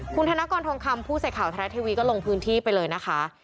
คุณธนกรทองคำผู้สื่อข่าวไทยรัฐทีวีก็ลงพื้นที่ไปเลยนะคะ